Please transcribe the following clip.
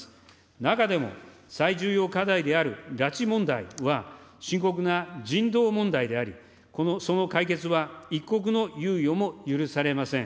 中でも、最重要課題である拉致問題は深刻な人道問題であり、その解決は一刻の猶予も許されません。